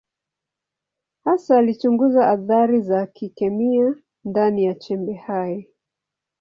Hasa alichunguza athari za kikemia ndani ya chembe hai.